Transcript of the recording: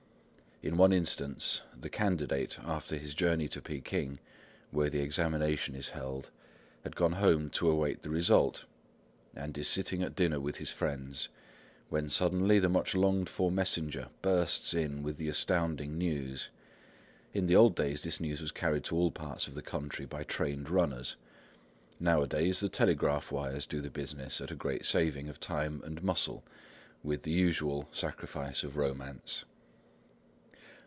In one instance, the candidate, after his journey to Peking, where the examination is held, has gone home to await the result, and is sitting at dinner with his friends, when suddenly the much longed for messenger bursts in with the astounding news. In the old days this news was carried to all parts of the country by trained runners; nowadays the telegraph wires do the business at a great saving of time and muscle, with the usual sacrifice of romance.